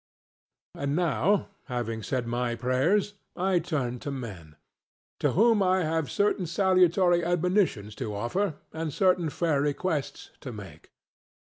And now having said my prayers I turn to men; to whom I have certain salutary admonitions to offer and certain fair requests to make.